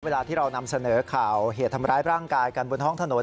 เวลาที่เรานำเสนอข่าวเหตุทำร้ายร่างกายกันบนท้องถนน